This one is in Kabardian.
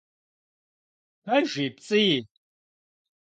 Пэжи, пцӏыи…